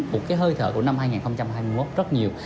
một cái hơi thở của năm hai nghìn hai mươi một rất nhiều